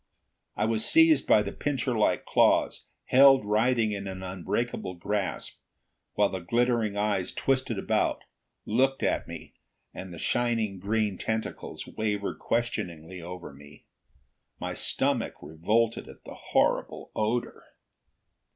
I was seized by the pincher like claws, held writhing in an unbreakable grasp, while the glittering eyes twisted about, looked at me, and the shining green tentacles wavered questioningly over me. My stomach revolted at the horrible odor.